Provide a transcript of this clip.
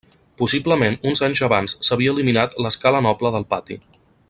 Possiblement, uns anys abans s'havia eliminat l'escala noble del pati.